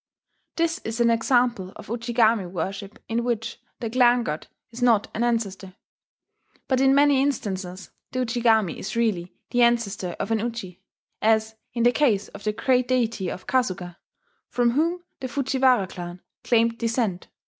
This is an example of Ujigami worship in which the clan god is not an ancestor. But in many instances the Ujigami is really the ancestor of an Uji; as in the case of the great deity of Kasuga, from whom the Fujiwara clan claimed descent.